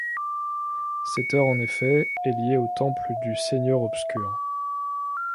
Cette heure en effet, est liée au temple du seigneur obscur.